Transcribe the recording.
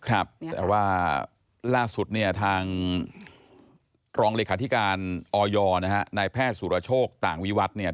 แต่ว่าล่าสุดเนี่ยทางรองเลขาธิการออยนะฮะนายแพทย์สุรโชคต่างวิวัตรเนี่ย